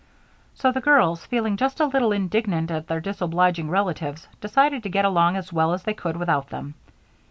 So the girls, feeling just a little indignant at their disobliging relatives, decided to get along as well as they could without them.